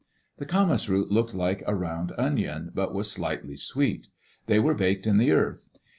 The camas root looked like a round onion, but was slightly sweet. They were baked in the earth.